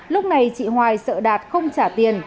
lúc này chị hoài sợ đạt không trả tiền